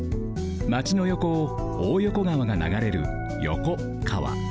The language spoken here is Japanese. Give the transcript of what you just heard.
まちの横を大横川がながれる横川。